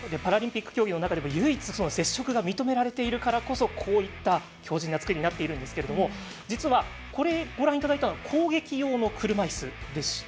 パラリンピック競技の中でも唯一接触が認められているからこそこういった強じんなつくりになっているんですけれども実は、ご覧いただいたのは攻撃用の車いすでして。